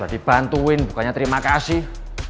dibantuin bukannya terima kasih